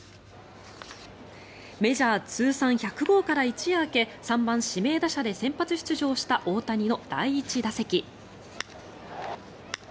メジャー通算１００号から一夜明け３番指名打者で先発出場した大谷の第１打席。